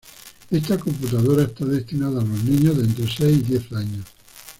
Esta computadora está destinada a los niños de entre seis y diez años.